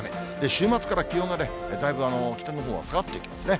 週末から気温が、だいぶ北のほうは下がってきますね。